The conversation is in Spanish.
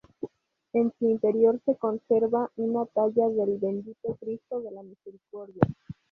En su interior se conserva una talla del Bendito Cristo de la Misericordia.